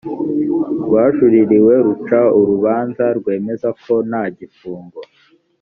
rwajuririwe ruca urubanza rwemeza ko ntagifungo